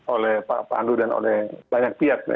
oleh pak pandu dan oleh banyak pihak ya